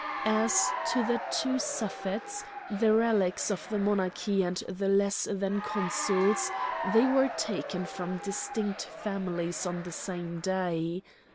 As to the two Suffets, the relics of the monarchy and the less than consuls, they were taken from distinct families on the same day.